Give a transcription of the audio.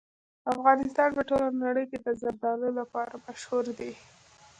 افغانستان په ټوله نړۍ کې د زردالو لپاره مشهور دی.